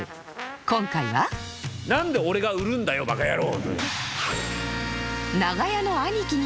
今回は「何で俺が売るんだよバカヤロー」。